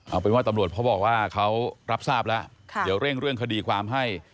เอาเป็นว่าตำรวจเขาบอกว่าเขารับทราบแล้วเดี๋ยวเร่งเรื่องคดีความให้